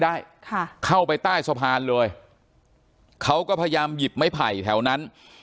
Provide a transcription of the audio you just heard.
ได้ค่ะเข้าไปใต้สะพานเลยเขาก็พยายามหยิบไม้ไผ่แถวนั้น